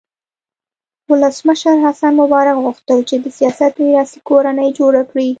ولسمشر حسن مبارک غوښتل چې د سیاست میراثي کورنۍ جوړه کړي.